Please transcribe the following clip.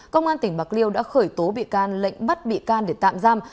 công an tỉnh bạc liêu đã khởi tố bị can lệnh bắt bị can để tạm giam